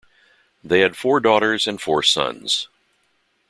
They had four daughters and four sons.